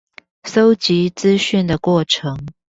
搜集資訊的過程